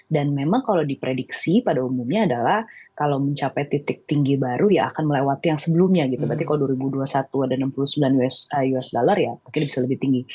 dan memang kalau diprediksi pada umumnya adalah kalau mencapai titik tinggi baru ya akan melewati yang sebelumnya berarti kalau dua ribu dua puluh satu ada enam puluh sembilan us dollar ya mungkin bisa lebih tinggi